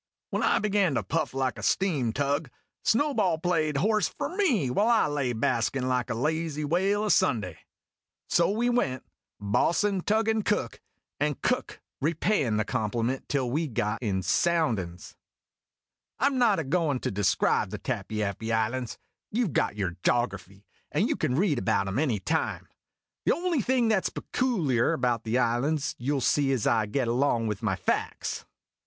When I began to puff like a steam tug, Snowball played horse for me while I lay baskin' like a lazy whale o' Sunday. So we went Bo's'n tugging Cook, and Cook repayin' the compliment till we got in sounclin's. I 'm not a goin' to describe the Tappy appy Islands. You Ve got your Jography, and you can read about 'em any time. The only thing that 's pecooliar about the islands you '11 see as I get along with my facts.